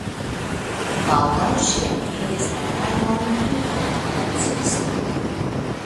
Baldaŭ ŝi atingis la rangon privata dancisto.